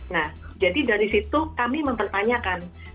nah jadi dari situ kami mempertanyakan